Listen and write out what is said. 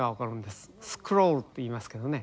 スクロールっていいますけどね。